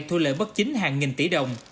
thu lợi bất chính hàng nghìn tỷ đồng